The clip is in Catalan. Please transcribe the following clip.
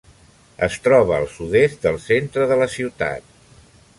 Es troba al sud-est del centre de la ciutat.